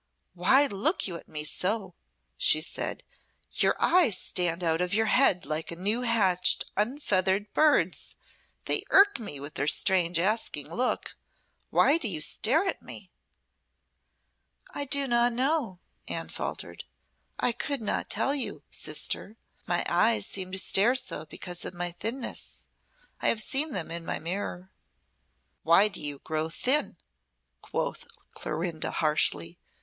"Why look you at me so?" she said. "Your eyes stand out of your head like a new hatched, unfeathered bird's. They irk me with their strange asking look. Why do you stare at me?" "I do not know," Anne faltered. "I could not tell you, sister. My eyes seem to stare so because of my thinness. I have seen them in my mirror." "Why do you grow thin?" quoth Clorinda harshly.